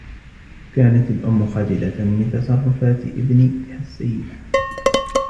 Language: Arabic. كانت الأم خجِلةً من تصرفات ابنها السيئة.